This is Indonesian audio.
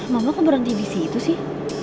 mama kok berhenti disitu sih